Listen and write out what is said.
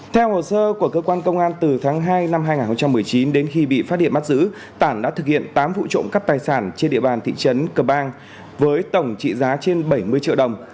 theo hồ sơ của cơ quan công an từ tháng hai năm hai nghìn một mươi chín đến khi bị phát hiện bắt giữ tản đã thực hiện tám vụ trộm cắp tài sản trên địa bàn thị trấn cờ bang với tổng trị giá trên bảy mươi triệu đồng